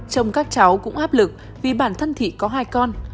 chồng các cháu cũng áp lực vì bản thân thị có hai con